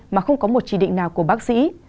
mà không có một chỉ định nào của bác sĩ